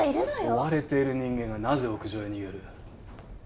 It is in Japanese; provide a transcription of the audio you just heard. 追われている人間がなぜ屋上へ逃げる？